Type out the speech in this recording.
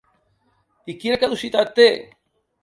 I quina caducitat té?